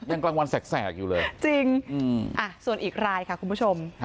กลางวันแสกอยู่เลยจริงส่วนอีกรายค่ะคุณผู้ชม